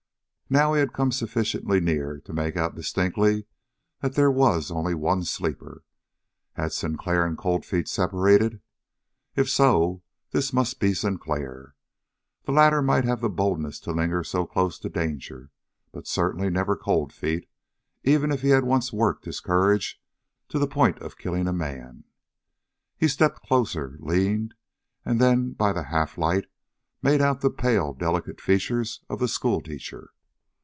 Now he had come sufficiently near to make out distinctly that there was only one sleeper. Had Sinclair and Cold Feet separated? If so, this must be Sinclair. The latter might have the boldness to linger so close to danger, but certainly never Cold Feet, even if he had once worked his courage to the point of killing a man. He stepped closer, leaned, and then by the half light made out the pale, delicate features of the schoolteacher.